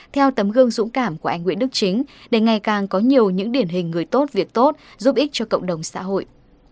theo tấm gương dũng cảm của anh nguyễn đức chính để ngày càng có nhiều những điển hình người tốt việc tốt giúp ích cho cộng đồng xã hội